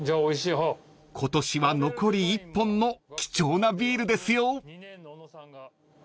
［今年は残り１本の貴重なビールですよ］